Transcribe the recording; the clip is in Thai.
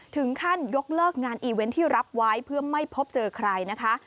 ถึงขั้นยกเลิกงานอีเวนต์ที่รับไว้เพื่อไม่พบเจอใครนะคะ